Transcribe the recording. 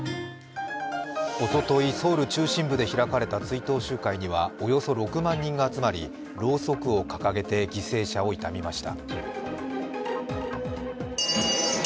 おととい、ソウル中心部で開かれた追悼集会にはおよそ６万人が集まり、ろうそくを掲げて犠牲者を悼みました。